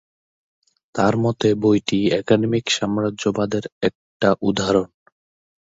তার মতে বইটি একাডেমিক সাম্রাজ্যবাদের একটা উদাহরণ।